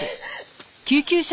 救急車！